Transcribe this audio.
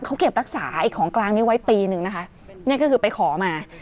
เขาเก็บรักษาไอ้ของกลางนี้ไว้ปีหนึ่งนะคะนี่ก็คือไปขอมา